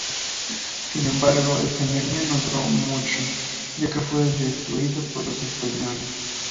Sin embargo, el señorío no duró mucho, ya que fue destruido por los españoles.